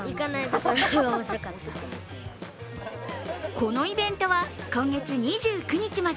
このイベントは今月２９日まで。